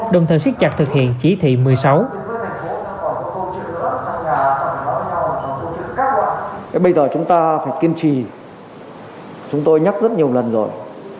đồng thời xích chặt thực hiện chỉ thị một mươi sáu